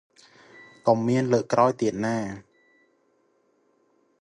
កុំមានលើកក្រោយទៀតណា ។